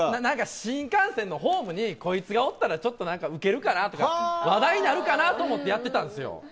何か新幹線のホームにこいつがおったらちょっと何かウケるかなとか話題になるかなと思ってやってたんですよ。